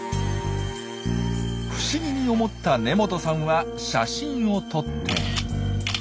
不思議に思った根本さんは写真を撮って。